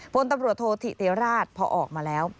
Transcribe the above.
พลตำรวจโทษธิติราชพอออกมาแล้ว